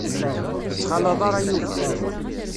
Ur ttxalaḍ ara Yuba.